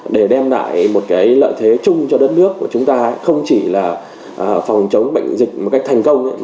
để đem lại một lợi thế chung cho đất nước của chúng ta không chỉ là phòng chống bệnh dịch một cách thành công